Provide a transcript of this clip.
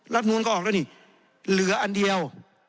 นูลก็ออกแล้วนี่เหลืออันเดียว